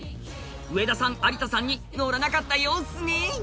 上田さん有田さんに乗らなかったようっすね。